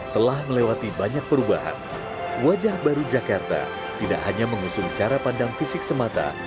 telah melewati banyak perubahan wajah baru jakarta tidak hanya mengusung cara pandang fisik semata